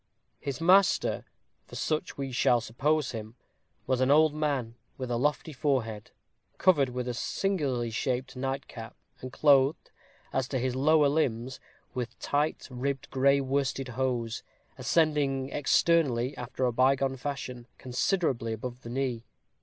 His master, for such we shall suppose him, was an old man with a lofty forehead, covered with a singularly shaped nightcap, and clothed, as to his lower limbs, with tight, ribbed, gray worsted hose, ascending externally, after a bygone fashion, considerably above the knee.